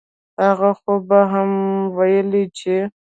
هغه خو به دا هم وييل چې